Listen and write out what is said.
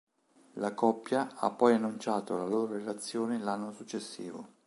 La coppia ha poi annunciato la loro relazione l'anno successivo.